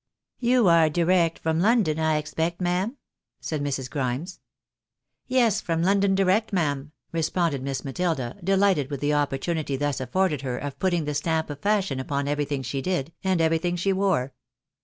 " You are direct from London, I expect, ma'am? " said Mrs. Grimes. " Yes, from London, direct, ma'am," responded Miss Matilda, delighted with the opportunity thus afforded her of putting the stamp of fashion upon everything she did, and everything she wore.